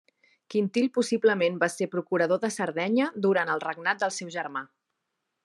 Quintil possiblement va ser procurador de Sardenya durant el regnat del seu germà.